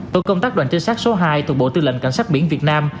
tổ công tác đoàn trinh sát số hai thuộc bộ tư lệnh cảnh sát biển việt nam